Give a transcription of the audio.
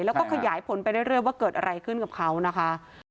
แล้วก็ขยายผลไปเรื่อยว่าเกิดอะไรขึ้นกับเขานะคะ